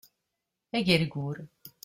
Agergur